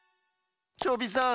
チョビさん。